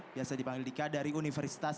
biasa dipanggil dika dari universitas